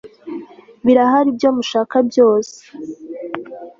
birahari ibyo mushaka byose